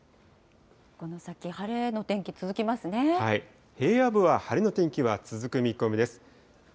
この先、晴れの天気続きます平野部は晴れの天気は続く見込みです。